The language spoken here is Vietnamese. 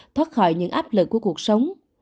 thoát khỏi những áp lực của cuộc sống